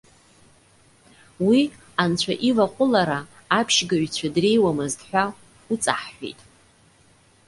Уи, Анцәа иваҟәылара аԥшьгаҩцәа дреиуамызт ҳәа уҵаҳҳәеит.